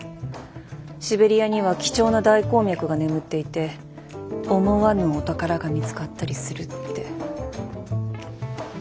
シベリアには貴重な大鉱脈が眠っていて思わぬお宝が見つかったりするって。